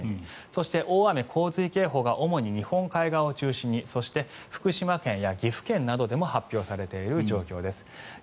そして大雨・洪水警報が主に日本海側を中心にそして福島県や岐阜県でも発表されている状況です。